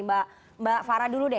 mbak farah dulu deh